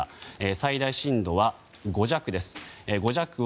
最大震度は５弱です。